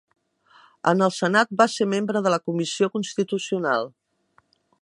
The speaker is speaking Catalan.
En el Senat va ser membre de la Comissió Constitucional.